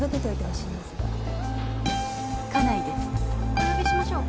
お呼びしましょうか？